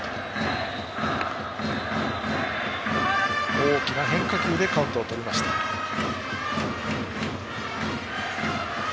大きな変化球でカウントをとりました河野。